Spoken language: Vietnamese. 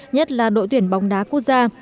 nhất là đội tuyển bóng đá quốc gia